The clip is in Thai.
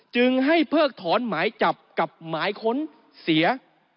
จึงให้เพิกถอนหมายจับกับหมายค้นเสีย